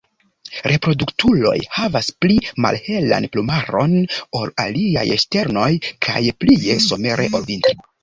Reproduktuloj havas pli malhelan plumaron ol aliaj ŝternoj kaj plie somere ol vintre.